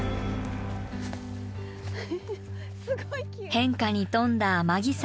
変化に富んだ天城山。